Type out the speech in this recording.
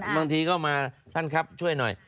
บางทีก็มาท่านครับช่วยหน่อย